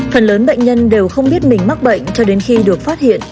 phần lớn bệnh nhân đều không biết mình mắc bệnh cho đến khi được phát hiện